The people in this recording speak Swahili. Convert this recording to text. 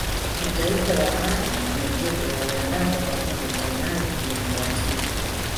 mataifa ya Ghana na Nigeria yaliandaa kwa pamoja fainali zilizofuatia